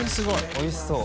おいしそう。